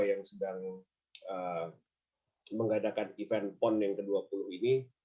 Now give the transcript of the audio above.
yang sedang mengadakan event pon yang ke dua puluh ini